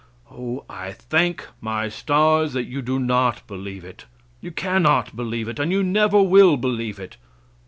O! I thank my stars that you do not believe it. You cannot believe it, and you never will believe it.